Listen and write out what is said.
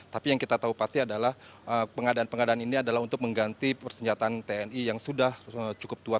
tapi yang kita tahu pasti adalah pengadaan pengadaan ini adalah untuk mengganti persenjataan tni yang sudah cukup tua